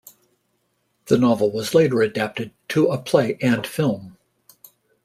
The novel was later adapted to a play and film.